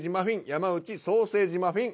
山内「ソーセージマフィン」。